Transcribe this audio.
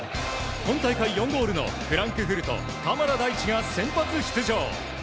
今大会４ゴールのフランクフルトの鎌田大地が先発出場。